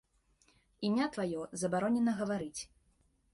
Імя тваё забаронена гаварыць.